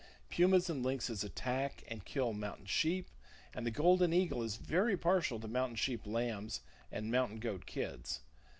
Pumas and lynxes attack and kill mountain sheep; and the golden eagle is very partial to mountain sheep lambs and mountain goat kids.